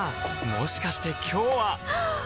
もしかして今日ははっ！